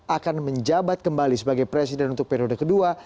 akan menjabat kembali sebagai presiden untuk periode kedua